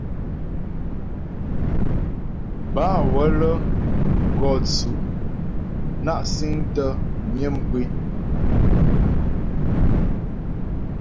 Bâ wə́lə́ gɔ tsʉ' na' siŋtə myə mkwé.